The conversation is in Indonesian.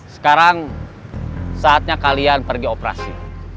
sekarang saatnya kalian pergi operasi